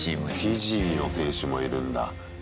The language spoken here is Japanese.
フィジーの選手もいるんだ。